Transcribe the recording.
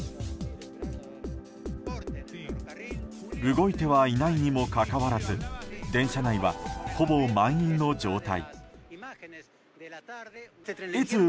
動いてはいないにもかかわらず電車内は、ほぼ満員の状態。